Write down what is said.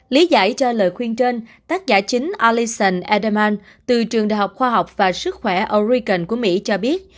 lý giải cho lời khuyên trên tác giả chính allison edelman từ trường đại học khoa học và sức khỏe oregon của mỹ cho biết